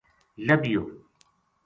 لبھیو